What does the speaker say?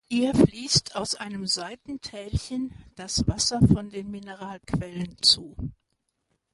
Ihr fliesst aus einem Seitentälchen das Wasser von den Mineralquellen zu.